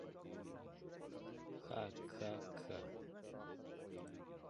— Ha, q-ha, q-ha!